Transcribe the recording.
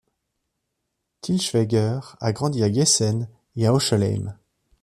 Til Schweiger a grandi à Giessen et à Heuchelheim.